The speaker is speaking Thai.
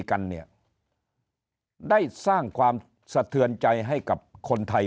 กันเนี่ยได้สร้างความสะเทือนใจให้กับคนไทย